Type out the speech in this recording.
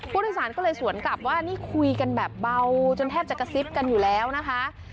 ผู้โดยสารก็เลยสวนกลับว่านี่คุยกันแบบเบาจนแทบจะกระซิบกันอยู่แล้วนะคะ